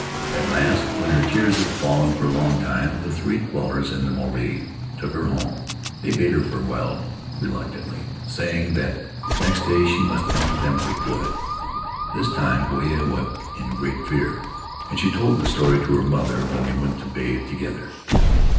At last, when her tears had fallen for a long time, the three dwellers in the marae took her home; they bade her farewell reluctantly, saying that next day she must come to them for good. "This time Poia awoke in great fear, and she told the story to her mother when they went to bathe to gether.